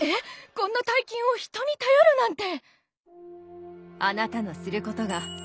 こんな大金を人に頼るなんて！